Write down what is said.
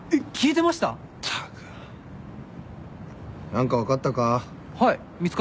何か分かったか？